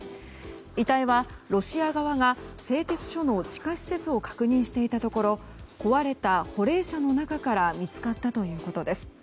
遺体はロシア側が製鉄所の地下施設を確認していたところ壊れた保冷車の中から見つかったということです。